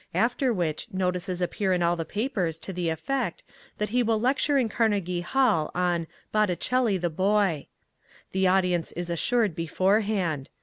After which notices appear in all the papers to the effect that he will lecture in Carnegie Hall on "Botticelli the Boy". The audience is assured beforehand.